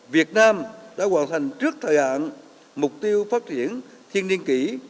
việt nam đã hoàn thành trước thời hạn mục tiêu phát triển thiên niên kỷ